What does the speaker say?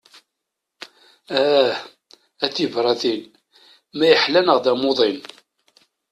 Aah, a tibratin, ma yeḥla neɣ d amuḍin?